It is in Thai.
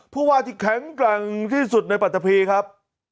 ผู้ว่าที่แข็งแกร่งที่สุดในปัตตะพีครับ